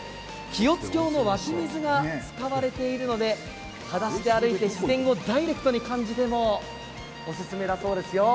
清津峡の湧き水が使われているので裸足で歩いて自然をダイレクトに感じるのもおすすめだそうですよ。